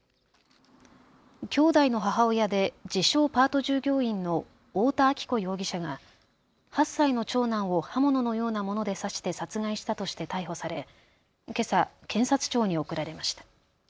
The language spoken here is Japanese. きょうだいの母親で自称、パート従業員の太田亜紀子容疑者が８歳の長男を刃物のようなもので刺して殺害したとして逮捕されけさ検察庁に送られました。